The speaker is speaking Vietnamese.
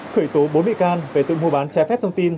khởi tố bốn mỹ can về tự mua bán trái phép thông tin